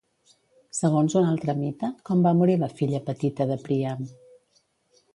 Segons un altre mite, com va morir la filla petita de Príam?